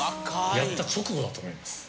やった直後だと思います。